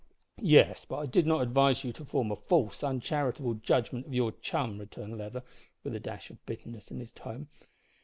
"Yes, but I did not advise you to form a false, uncharitable judgment of your chum," returned Leather, with a dash of bitterness in his tone.